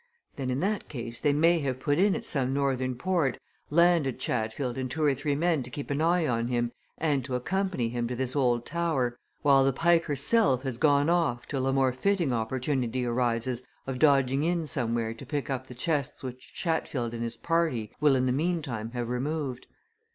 "Then in that case they may have put in at some Northern port, landed Chatfield and two or three men to keep an eye on him and to accompany him to this old tower, while the Pike herself has gone off till a more fitting opportunity arises of dodging in somewhere to pick up the chests which Chatfield and his party will in the meantime have removed.